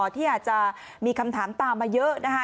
ที่อาจจะมีคำถามตามมาเยอะนะคะ